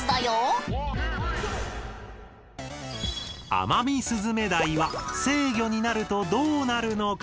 アマミスズメダイは成魚になるとどうなるのか？